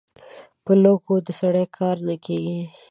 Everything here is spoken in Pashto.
په لږو د سړي کار نه کېږي.